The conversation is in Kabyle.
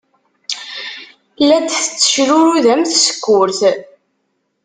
La d-tettecrurud am tsekkurt.